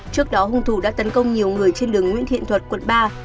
trước đó hung thủ đã tấn công nhiều người trên đường nguyễn thiện thuật quận ba